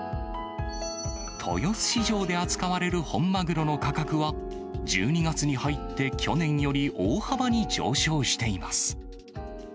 豊洲市場で扱われる本マグロの価格は、１２月に入って去年より大幅に上昇しています。